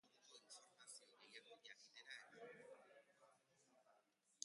Fusioa gertatu eta zahar itxura hartu zuen.